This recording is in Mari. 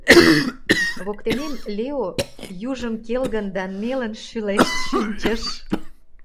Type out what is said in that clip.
Воктенем Лео южым келгын да нелын шӱлешт шинчыш.